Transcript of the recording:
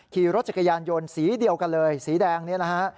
ขี่รถจักรยานยนต์สีเดียวกันเลยสีแดงนี้นะฮะ